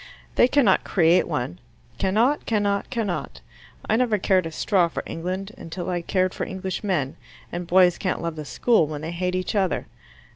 They cannot create one. Cannot cannot cannot. I never cared a straw for England until I cared for Englishmen, and boys can't love the school when they hate each other.